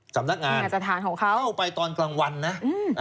สำนักงานสถานของเขาเข้าไปตอนกลางวันนะอืม